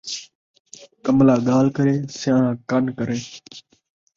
کملا ڳالھ کرے ، سیاݨاں کن کرے